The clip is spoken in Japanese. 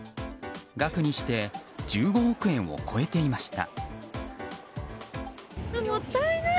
額にして１５億円を超えていました。